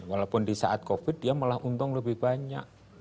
walaupun di saat covid dia malah untung lebih banyak